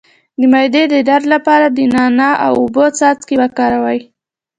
د معدې د درد لپاره د نعناع او اوبو څاڅکي وکاروئ